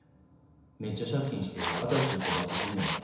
めっちゃ借金して新しい工場建てんねやろ？